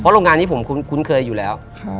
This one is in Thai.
เพราะโรงงานที่ผมคุ้นคุ้นเคยอยู่แล้วค่ะ